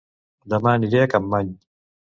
Dema aniré a Capmany